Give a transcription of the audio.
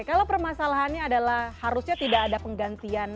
kalau permasalahannya adalah harusnya tidak ada penggantian